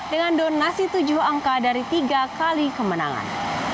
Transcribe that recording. dengan donasi tujuh angka dari tiga kali kemenangan